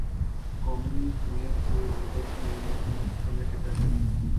قومی حمیت اور غیرت کی ہمیں فکر ہے۔